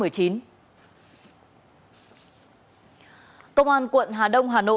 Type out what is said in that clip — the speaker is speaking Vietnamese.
công an quận hà đông hà nội